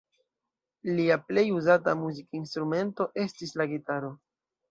Lia plej uzata muzikinstrumento estis la gitaro.